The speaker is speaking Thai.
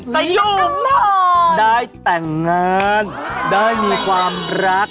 สยุมผ่อนได้แต่งงานได้มีความรัก